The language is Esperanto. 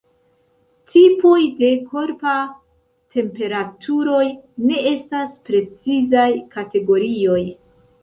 Tipoj de korpa temperaturoj ne estas precizaj kategorioj.